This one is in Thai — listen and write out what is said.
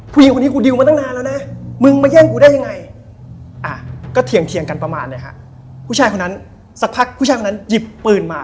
พอไปถึงประมาณชั้นสาม